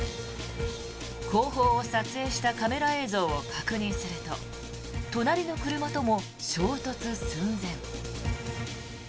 後方を撮影したカメラ映像を確認すると隣の車とも衝突寸前。